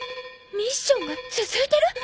ミッションが続いてる！？